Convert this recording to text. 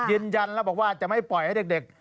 ยืนยันแล้วบอกว่าจะไม่ปล่อยให้เด็ก